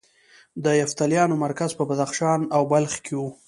د یفتلیانو مرکز په بدخشان او بلخ کې و